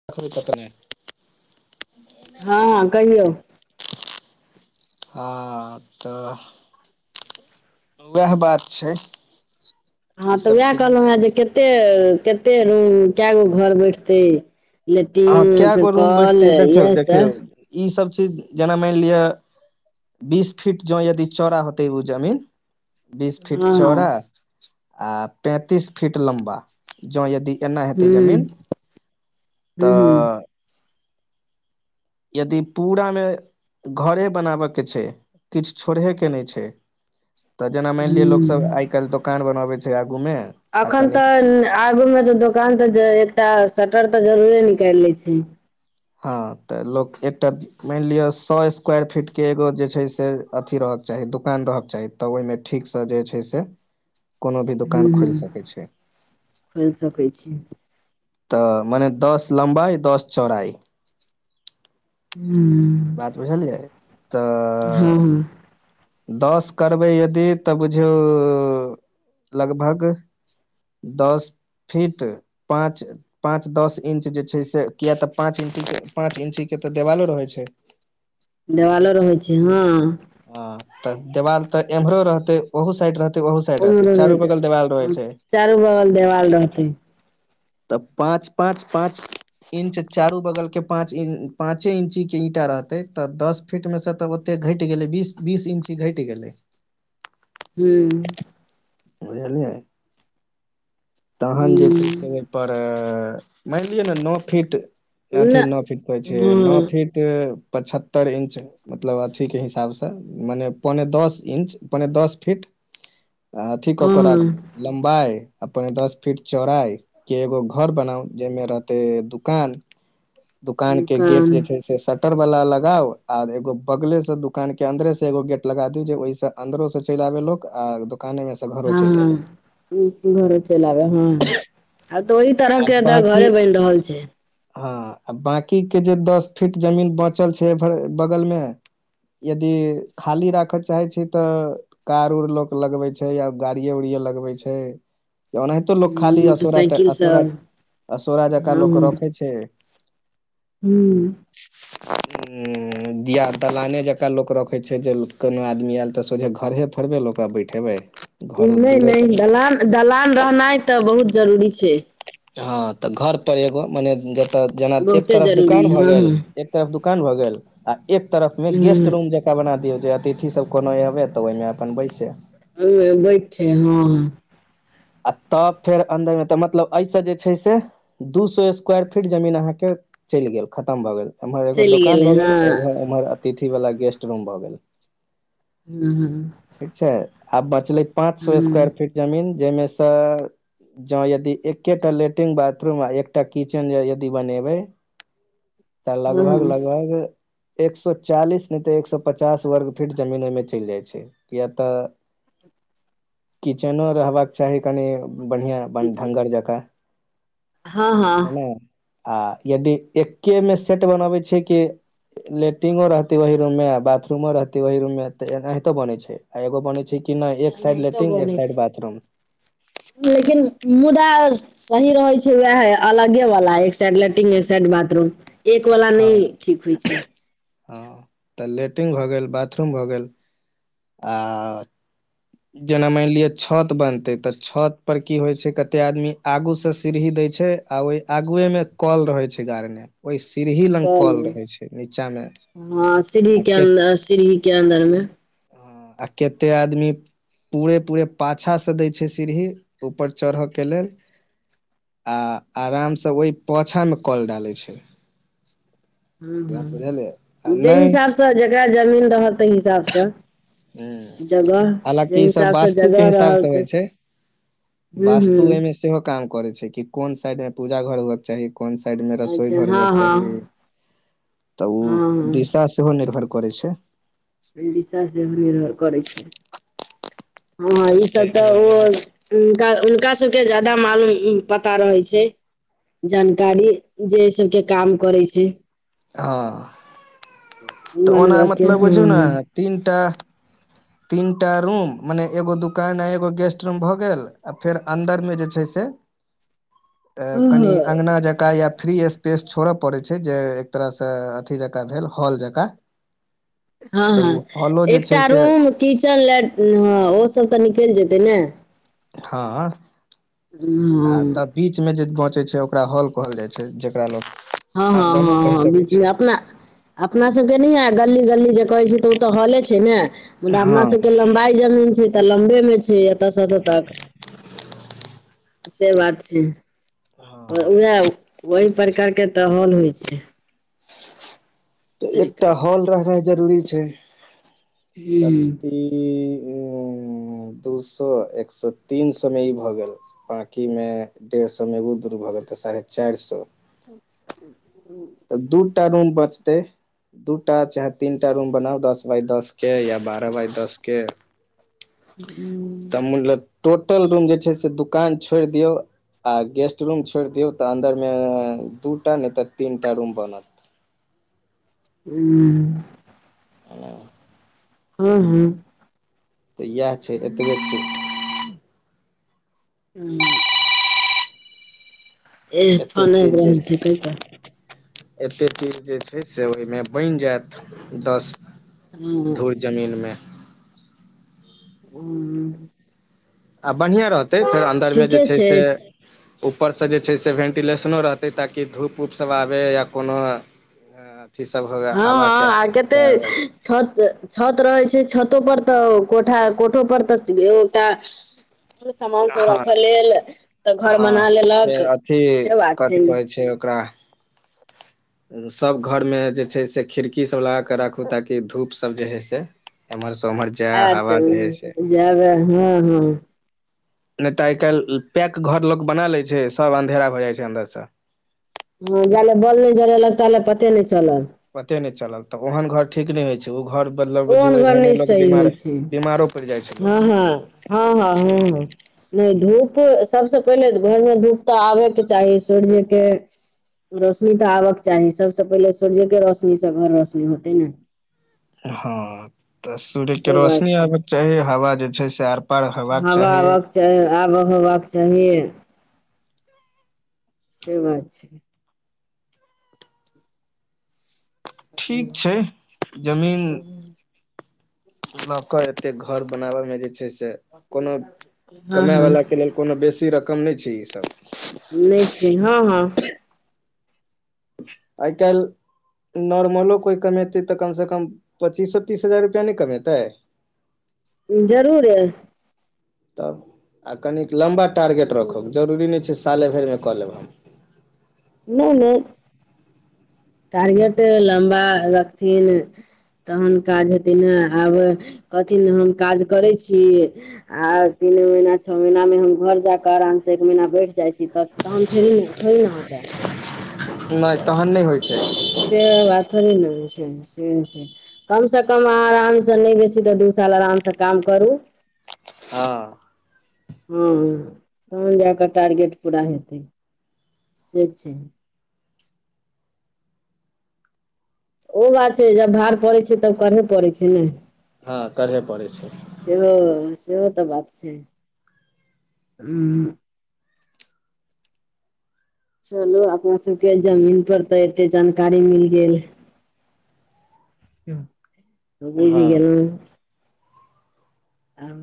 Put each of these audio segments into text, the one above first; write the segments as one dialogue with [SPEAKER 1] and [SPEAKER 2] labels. [SPEAKER 1] [unintelligible]
[SPEAKER 2] हँ कहियौ
[SPEAKER 1] हँ तऽ उएह बात छै
[SPEAKER 2] हँ
[SPEAKER 1] ई
[SPEAKER 2] तऽ
[SPEAKER 1] सब
[SPEAKER 2] उएह
[SPEAKER 1] चीज
[SPEAKER 2] कहलहुँ हेँ जे कते कते रूम केगो घर बैठतै
[SPEAKER 1] अहाँ
[SPEAKER 2] लेट्रंग
[SPEAKER 1] कए
[SPEAKER 2] फेर कोल इह सब
[SPEAKER 1] ईसभ से जेना मानि लिअ बीस फीट जाउ यदि चौड़ा होतैय ओ जमीन बीस फीट
[SPEAKER 2] हँ
[SPEAKER 1] चौड़ा आ पैंतीस फीट लम्बा जऽ यदि एना हेतैय
[SPEAKER 2] हुँ
[SPEAKER 1] जमीन
[SPEAKER 2] हुँ
[SPEAKER 1] तऽ यदि पुरामे घरे बनाबयक छैय किछु छोरहे के नै छैय। तऽ जेना मानि लिय
[SPEAKER 2] हुँ
[SPEAKER 1] लोकसब आइ काल्हि दोकान बनबैय छैय आगुमे आ कनि
[SPEAKER 2] आगुमे तऽ दुकान तऽ एकटा सटर तऽ जरूरे निकाल लेय छी।
[SPEAKER 1] ह तऽ लोक एकटा मानि लिय सौ स्क्वायर फीटके एगो जे छैय से अथी रहऽके चाही दोकान रहऽके चाही तऽ ओहिमे ठीकस जे छैय से
[SPEAKER 2] [inaudible]
[SPEAKER 1] कोनो भी दोकान
[SPEAKER 2] हुँ
[SPEAKER 1] खोलि सकैय छैय
[SPEAKER 2] खोलि सकैय छी
[SPEAKER 1] तऽ माने दस लम्बाई दस चौड़ाई
[SPEAKER 2] हु
[SPEAKER 1] बात बुझलियै तऽ ऽ
[SPEAKER 2] हँ
[SPEAKER 1] ऽ दस करबैय यदि तऽ बुझू झू लगभग दस फिट पाँच पाँच दस इंच जे छैय से किया तऽ पाँच इंच पाँच इंची के तऽ देवालो रहैय छैय
[SPEAKER 2] देवालो रहैय छैय ह
[SPEAKER 1] ह तऽ देवाल तऽ एम्हरो रहतेय ओहो साइड रहते ओहू साइड रहते
[SPEAKER 2] उमरो
[SPEAKER 1] चारू बगल देवाल रहे
[SPEAKER 2] रहतैय
[SPEAKER 1] छै
[SPEAKER 2] चारू बगल देवाल रहतै
[SPEAKER 1] त पाँच पाँच पाँच इंच चारु बगल के पाॅच पांचे इंची के ईटा रहतैय तऽ दस फिट मे से तऽ ओते घैट घैटि गेलै बीस बीस इंची घैटि गेलैय
[SPEAKER 2] हु
[SPEAKER 1] बूझलियै तहन जे छैय
[SPEAKER 2] हुँ
[SPEAKER 1] से ओहिपर मानि लिय ने नओ फीट अथि
[SPEAKER 2] नहि
[SPEAKER 1] नओ फिट कहैय छैय नओ
[SPEAKER 2] हँ
[SPEAKER 1] फीट पचहत्तर इंच मतलब अथी के हिसाब स माने पौने दस इअंच पौने दस फीट आ अथी कऽक राखु
[SPEAKER 2] हँ
[SPEAKER 1] लम्बाई पौने दस फीट चौड़ाई के एगो घर बनाउ जेहिमे रहतेय दुकान दुकान के गेट
[SPEAKER 2] काम
[SPEAKER 1] जे छैय से सट सटर वला लगउ आर एगो बगले से दुकान के अंन्दरे से एगो गेट लगा दियौ जे ओहिस अंन्दरो से चलि आबे लोक आ दुोकाने मे स घरो चलि आबैय लोग।
[SPEAKER 2] ह घरे चलि आबैय ह आब तऽ ओहि तरह के घरे बनि रहल छैय।
[SPEAKER 1] ह बाकी के जे दस फीट जमीन बचल छैय बगलमे यदि खाली राखय चाहैय छी तऽ कार उर लोक लगबैय छैय आ गाड़िये उड़िये लगबैय छैय। ओनाहितो लोक खाली असोरा
[SPEAKER 2] मोटरसाइकिल
[SPEAKER 1] असोरा
[SPEAKER 2] सब
[SPEAKER 1] असोरा जका लोक रखेय छैय।
[SPEAKER 2] हु
[SPEAKER 1] हु दिया दलाने जका लोक रखैय छैय जे कोनो आदमी एल तऽ सोझे घरे थोड़बे ओकरा बैठेबैय।
[SPEAKER 2] नै नै दलान दलान रहनाइ तऽ बहुत जरूरी छैय।
[SPEAKER 1] ह तऽ घर पर एगो मने जतय जेना एक
[SPEAKER 2] बहुते
[SPEAKER 1] तरफ
[SPEAKER 2] जरूरी
[SPEAKER 1] दुकान भऽ
[SPEAKER 2] हँ
[SPEAKER 1] गेल
[SPEAKER 2] हँ
[SPEAKER 1] एक तरफ दुकान भऽ गेल आ एक तरफमे गेस्ट रूम ज एकटा बना दियौ जे अतिथि सब कोनो अबैय तऽ ओहिमे अपन बैसैय
[SPEAKER 2] औइ मे बैठ हँ
[SPEAKER 1] आ तब फेर अन्दरमे तऽ मतलब एहिस जे छै से दू सए स्क्वायर फीट जमीन अहाँके चलि गेल खतम भऽ गेल एम्हर एगो
[SPEAKER 2] चलि
[SPEAKER 1] दुकान
[SPEAKER 2] गेलै
[SPEAKER 1] भऽ गेल
[SPEAKER 2] हँ
[SPEAKER 1] ए उम्हर अतिथि वाला गेस्ट रुम भऽ गेल।
[SPEAKER 2] हु हु
[SPEAKER 1] ठीक छैय आब बचलैय पाँच सए
[SPEAKER 2] हँ
[SPEAKER 1] स्क्वायर फीट जमीन जैयमे सऽ ज यदि एकेटा लैट्रिन बाथरूम आ एकटा किचेन यदि बनेबैय। तऽ
[SPEAKER 2] हँ
[SPEAKER 1] लगभग
[SPEAKER 2] हँ
[SPEAKER 1] लगभग एक सए चालीस ने ते एक सए पचास वर्ग फीट जमीन ओ में चलि जाय तछै किया तऽ किचेनो रहबाक चाही कनि बढ़ििया
[SPEAKER 2] किछु
[SPEAKER 1] ढ्गर जकाँ
[SPEAKER 2] हँ हँ
[SPEAKER 1] ह न आ यदि एक मे सेट बनबै छै कि लेट्रिनो रहतै वही रूम मे बाथरूमो रहतैवहहि रूम में तऽ एनाहितो बने छै आ एगो बने छै कि नहि एक साइड
[SPEAKER 2] एनाहितो
[SPEAKER 1] लेट्रिन एक
[SPEAKER 2] बनै छै
[SPEAKER 1] साइड बाथरूम
[SPEAKER 2] लेकिन मुदा सही रहै छै उएह अलगे वाला एक साइड लेट्रिन एक साइड बाथरूम एक वाला
[SPEAKER 1] हँ
[SPEAKER 2] नहि ठीक
[SPEAKER 1] [inaudible]
[SPEAKER 2] होइ छै
[SPEAKER 1] हँ तऽ लेट्रिन भऽ गेल बाथरूम भऽ गेल आ
[SPEAKER 2] [unintelligible] [inaudible]
[SPEAKER 1] जेना मानि लिअ छत बनतै तऽ छत बनतै होइ छैजे कते आदमी आगूसँ सीढ़ी दै छै आ ओहि आगुए में कल रहे छैय गारने ओहि सिढ़ी लग कल रहै छैय नीचा मे
[SPEAKER 2] हँ सीढ़ी
[SPEAKER 1] आ के
[SPEAKER 2] अन्दर सीढ़ी के अन्दर मे
[SPEAKER 1] आ कतेक आदमी पूरे पूरे पाछा से दै छैय सीढ़ी ऊपर चढ़ऽ के लेल आ आरामसँ ओहि पोछामे कल डालै छैय
[SPEAKER 2] ह
[SPEAKER 1] बुझलियै आ
[SPEAKER 2] ह जाय
[SPEAKER 1] नहि
[SPEAKER 2] हिसाबसँ जकरा जमीन रहलताहि हिसाबसँ
[SPEAKER 1] ह
[SPEAKER 2] जगह जेय
[SPEAKER 1] हालाँकि ई सब
[SPEAKER 2] हिसाबसँ
[SPEAKER 1] वास्तु के
[SPEAKER 2] जगह
[SPEAKER 1] हिसाब
[SPEAKER 2] रहल
[SPEAKER 1] से होइ
[SPEAKER 2] तैय
[SPEAKER 1] छै वास्तु एहिमे सेहो काम करैत छैयं कि कोन साइड पूजा घररहैके चाहि कोन साइड मे
[SPEAKER 2] अच्छा हँ
[SPEAKER 1] रसोइघररहबाआके
[SPEAKER 2] हँ
[SPEAKER 1] चाही। तऽ ओ
[SPEAKER 2] हँ हँ
[SPEAKER 1] दिशा सेहो निर्भर करैत छैयं
[SPEAKER 2] दिसा सेहो निर्भर करैत छैय हँ ईसभ
[SPEAKER 1] ताहि
[SPEAKER 2] तऽ ओ।
[SPEAKER 1] दुआरे जे-
[SPEAKER 2] हुनका सबके जयदा मालूम पता रहै छै। जानकारी जे सबके काम करै छैय
[SPEAKER 1] हँ। तऽ ओना
[SPEAKER 2] बनबाकके
[SPEAKER 1] मतलब
[SPEAKER 2] हँ।
[SPEAKER 1] बुझू ने तीनटा। तीनटा रूम मने एगो दुकान आ एगो गेस्ट रूम भऽ गेल आ फेर अन्दर मे जे छैय से
[SPEAKER 2] [inaudible]
[SPEAKER 1] तऽ कनि
[SPEAKER 2] हँ
[SPEAKER 1] अँगना जकाँ या फ्री। ्पेस छोड़य पड़े छैयजे एक तरह से अथी जकाँ भेल हॉल जकाँ।
[SPEAKER 2] हँ
[SPEAKER 1] तऽ
[SPEAKER 2] हँ
[SPEAKER 1] ओ हॉलो जे छै
[SPEAKER 2] एकटा
[SPEAKER 1] से
[SPEAKER 2] रूम किचन लेटिरिंग ओसभ तऽ निकलि जेतै ने
[SPEAKER 1] हँ।
[SPEAKER 2] हँ
[SPEAKER 1] आ तब बीच मे जे बचै छै ओकरा हॉल कहल जाइयत छै जकरा लोग-
[SPEAKER 2] हँ हँ
[SPEAKER 1] आंगनो
[SPEAKER 2] हँ
[SPEAKER 1] कहि
[SPEAKER 2] हँ
[SPEAKER 1] सकै
[SPEAKER 2] बीज
[SPEAKER 1] छियै
[SPEAKER 2] अपना। अपना सभके नहि गली गली जे कहै छैय तऽ ओ तऽ हौल छै न मुदा अपना
[SPEAKER 1] हँ
[SPEAKER 2] सबके लम्बाई जमीन छैय तऽ लम्बे में छैय एतऽ से एतऽ तक। से बात छै
[SPEAKER 1] हँ
[SPEAKER 2] उएह ओहि प्रकारके तऽ हल होइ छै
[SPEAKER 1] तऽ एकटा
[SPEAKER 2] तरीका
[SPEAKER 1] हॉल
[SPEAKER 2] के
[SPEAKER 1] रहनाइ जरूरी छै तऽ
[SPEAKER 2] हुॅं
[SPEAKER 1] ई दू सौ एक सए तीन सए मे ई भए गेल बाकी में डेढ़ सौ मे एगो दूर भऽ गेलै साढ़े चैर सौ
[SPEAKER 2] [inaudible]
[SPEAKER 1] दू टा रूम बचतै दूटा चाहे तीनटा रूम बनाउ दस बाय दस के या बारह बाय दस के
[SPEAKER 2] हुॅं
[SPEAKER 1] तऽ मतलब टोटल रूम जे छै से दोकान छौइर दियौ आ गेस्ट रूम छोइर दियौ त अन्दरमे दूटा नै त तीनटा रूम बनत
[SPEAKER 2] हूँ हुॅं हुॅं
[SPEAKER 1] तऽ इएह छै एतबे छै
[SPEAKER 2] हुॅं एह फोन आइब रहल छै कैपर
[SPEAKER 1] एतेक चीज जे छै से ओयमे बैन जायत दस
[SPEAKER 2] हँ
[SPEAKER 1] धुर जमीनमे
[SPEAKER 2] हुॅं
[SPEAKER 1] आ बनहीआँ रह तै फेर अन्दरमे जे छै से ऊपर स जे छै से भेन्टिलेशनो रहतै ताकि धूप उप सभ आबए या कोनो [unintelligible]
[SPEAKER 2] हाॅं
[SPEAKER 1] हवा के
[SPEAKER 2] हाॅं आ कते
[SPEAKER 1] के आबे।
[SPEAKER 2] छत छत रहै छै छतो पर त कोठा कोठो पर तऽ एकटा सामान सब
[SPEAKER 1] हँ
[SPEAKER 2] राख लेल तऽ घर बना लेलक से बात
[SPEAKER 1] कठी कहै छै ओकरा
[SPEAKER 2] [inaudible]
[SPEAKER 1] सभ घरमे जे छै से खिड़की सभ लगा कऽ राखू ताकि धूप सभ जे है से एमर स उमहर जे हव जे हे से
[SPEAKER 2] जेएब एब हँ हँ
[SPEAKER 1] नै तऽ आइ कैल पैक घर लोक बना ले छै सब अंधेरा भ जाइ छै अन्दर स
[SPEAKER 2] हँ जाले बल नै जरेलक ताले पते नै चलल
[SPEAKER 1] पते नै चलल तऽ ओहेन घर ठीक नै होइ छै ओ घर मतलब
[SPEAKER 2] ओहन
[SPEAKER 1] ओहि घर
[SPEAKER 2] नहि
[SPEAKER 1] मे लोक
[SPEAKER 2] सही होइ
[SPEAKER 1] बीमार बीमारो पईर जाय छैय लोक
[SPEAKER 2] हाँ हाँ हाँ नहि धूप सबसे पहिले घरमे धूप तऽ आबे के चाही सुरज के रोशनी तऽ आबक चाही सबसँ पहिले सूर्येके रोशनीसँ घर रोशनी होतै ने
[SPEAKER 1] हाँ त सूर्य के
[SPEAKER 2] से बात
[SPEAKER 1] रोशनी आबेक
[SPEAKER 2] छै
[SPEAKER 1] चाही हवा जे छै से आर पार हेबाक चाही
[SPEAKER 2] च आबऽ होयबाक चाही से बात छै
[SPEAKER 1] ठीक छै जमीन लौक एते घर बनाबय मे जे छै से कोनो
[SPEAKER 2] हँ
[SPEAKER 1] कमै
[SPEAKER 2] हँ
[SPEAKER 1] वला के लेल कोनो बेसी रकम नै छै ई सभ
[SPEAKER 2] नै छै हाँ हाँ
[SPEAKER 1] आइ कायल नोर्मल ओ कोइ कमेतै त कमस कम पचीसो तीस हजार रुपैआ नहि कमेतै
[SPEAKER 2] जरूर ए
[SPEAKER 1] तब कनिक लम्बा टारगेट राख ह
[SPEAKER 2] नहि
[SPEAKER 1] जरूरी नहि छै साले भरिमे क लेब हम
[SPEAKER 2] नय नय टारगेट लम्बा राकथिन तहन काज हेते ने आब कहथिन हम काज करै छी आ तीन महीना छो महीना मे हम घर जाक आराम से एक महीना बैठ जाइ छी त तहन थोड़ी न थोड़ी न होतय
[SPEAKER 1] नैय तहन नहि होइ छै
[SPEAKER 2] से बात थोडी नहि ओहि छै सेहो छै कम से कम अहाँ आराम से नहि बेसी तऽ दू साल आराम से काम करू
[SPEAKER 1] हा
[SPEAKER 2] हां तहन जा क टारगेट पूरा हेते से छै ओ बात छै जे जब भार पड़ै छै तब करहे परे छै ने
[SPEAKER 1] हँ करहे पड़ैत छै
[SPEAKER 2] सेहो सेहो तऽ बात छैय - चलू अपना सबके जमीन पर तऽ एते जानकारी मिल गेल -
[SPEAKER 1] हँ
[SPEAKER 2] बुझी गेलहुँ आब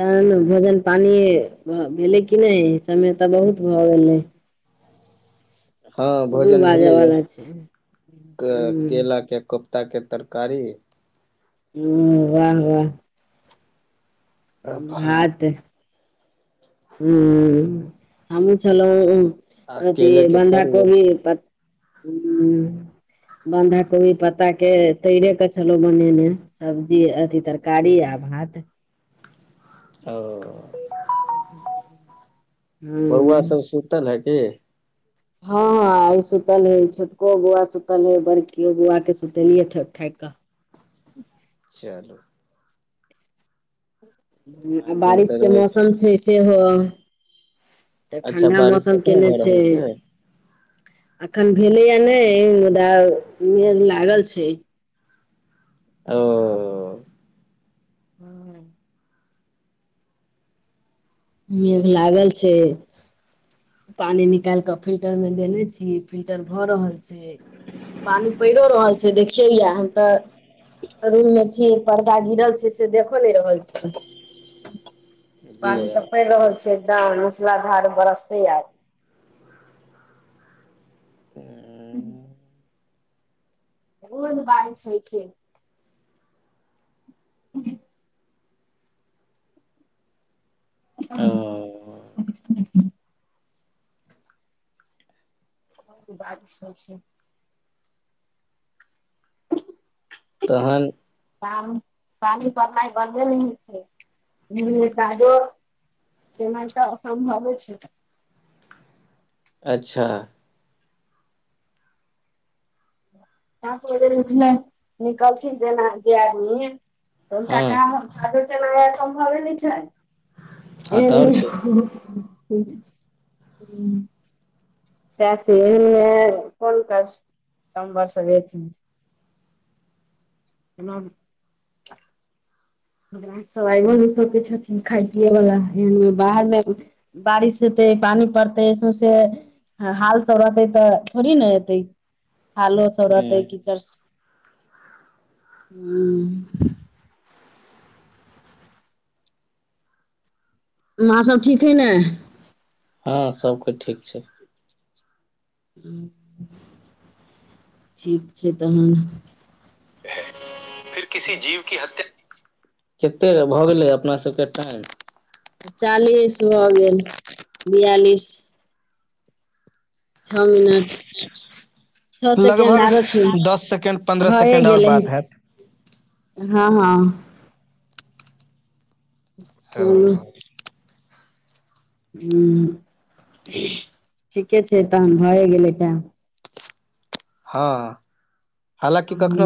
[SPEAKER 2] तहन भोजन पानि भेलै कि नहि समय तऽ बहुत भऽ गेलै
[SPEAKER 1] हँ
[SPEAKER 2] दू
[SPEAKER 1] भोजन
[SPEAKER 2] बाजऽ
[SPEAKER 1] भेलेया
[SPEAKER 2] वाला छै
[SPEAKER 1] केला
[SPEAKER 2] हूँ
[SPEAKER 1] क के क टा केँ तरकारी
[SPEAKER 2] हम्मम वाह वाह
[SPEAKER 1] आ भात
[SPEAKER 2] भाते हम्ममम हमूँ छलहुँ
[SPEAKER 1] आ
[SPEAKER 2] अथी
[SPEAKER 1] केले के
[SPEAKER 2] बन्धा
[SPEAKER 1] तरुआ
[SPEAKER 2] कोोबी पत बन्धा कोबी पत्ता के तैरे के छलौ बनेने सब्जी अथी तरकारी आ भात
[SPEAKER 1] आ-ओ बौआ
[SPEAKER 2] हूँ
[SPEAKER 1] सब सुतल है की
[SPEAKER 2] हँ हँ आइ सुतल हे छोटको बौआ सुतल हे बड़कियो बौआ के सुतेलियै ठोक ठाकि कऽ
[SPEAKER 1] चलू
[SPEAKER 2] आ
[SPEAKER 1] आन दिन तऽ
[SPEAKER 2] बारिशके
[SPEAKER 1] रहै
[SPEAKER 2] मौसम छै सेहो तऽ
[SPEAKER 1] अच्छा
[SPEAKER 2] ठण्ढा
[SPEAKER 1] बारिश
[SPEAKER 2] मौसम
[SPEAKER 1] एखने
[SPEAKER 2] केयने
[SPEAKER 1] भऽ
[SPEAKER 2] छै
[SPEAKER 1] रहल
[SPEAKER 2] अखन भेले या नहि मुदा मेघ लागल छै
[SPEAKER 1] ओओ ओओ
[SPEAKER 2] हू- मेघ लागल छैय- पानी निकाल के फिल्टर में देने छी फिल्टर भऽ रहल छै पानि पड़िो रहल छै देखियै यए हम तऽ रूम मे छी पर्दा गिरल छै से देखो नहि रहल छै पानि
[SPEAKER 1] ले
[SPEAKER 2] तऽ पड़ि रहल छै एकदम मूसलाधार बरसते आय [unintelligible] [unintelligible] बारिश होइ छै [inaudible]
[SPEAKER 1] ओ
[SPEAKER 2] [unintelligible] [unintelligible] बात सब छै
[SPEAKER 1] तहन
[SPEAKER 2] पानी। पानी परनैय बनदे नैय छोय छै नैय काजो केनाय तऽ असम्भवे होय छै
[SPEAKER 1] अच्छा
[SPEAKER 2] पाँच बजे उठनैय निकलथि जेना जे आदमी हुनकर
[SPEAKER 1] हँ
[SPEAKER 2] काम
[SPEAKER 1] हँ तऽ आओर की
[SPEAKER 2] [unintelligible] [unintelligible] सएह छै एहि [unintelligible] [unintelligible] हमरा। सब आइ सबके छथिन खााय पियएवला एहन बाहरमे बारिश हतै पानि पड़तै सौसे हाल सब रहतै तऽ थोड़ी नऽ एतै थालो सब रहते
[SPEAKER 1] ह
[SPEAKER 2] कीचर् सब हू माँ सब ठीक हइ नऽ
[SPEAKER 1] हँ सबकोय ठीक छैय
[SPEAKER 2] - ठीक छै तहन
[SPEAKER 1] फिर किसी जीव कि हत्या- कते भऽ गेलै अपनासभके टाइम
[SPEAKER 2] चालीस भऽ गेल बियालिस छः मिनट छः सेकेंड
[SPEAKER 1] लगभग
[SPEAKER 2] आरो छैय
[SPEAKER 1] दस सेकेंड पन्द्रह
[SPEAKER 2] भए
[SPEAKER 1] सेकेंड आओर
[SPEAKER 2] गेलै
[SPEAKER 1] बात हैत
[SPEAKER 2] हँ हँ चलू
[SPEAKER 1] [unintelligible]
[SPEAKER 2] हुं ठीके छैय तहन भए गेलै टाइम
[SPEAKER 1] हँ हालांकि कखनो
[SPEAKER 2] हँ